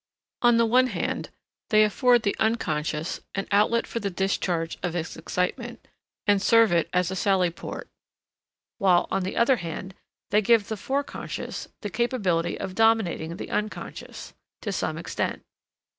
On the one hand, they afford the Unc. an outlet for the discharge of its excitement, and serve it as a sally port, while, on the other hand, they give the Forec. the capability of dominating the Unc. to some extent.